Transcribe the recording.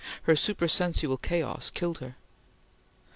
Her supersensual chaos killed her.